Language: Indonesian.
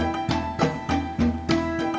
mulai of kemar